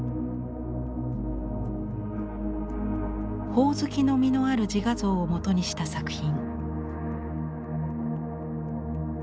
「ほおずきの実のある自画像」をもとにした作品。